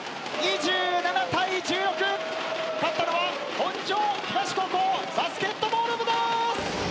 勝ったのは本庄東高校バスケットボール部です！